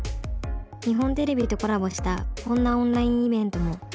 日本テレビとコラボしたこんなオンラインイベントも。